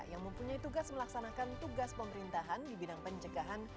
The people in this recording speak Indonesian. yang mempunyai tugas melaksanakan tugas pemerintahan di bidang pencegahan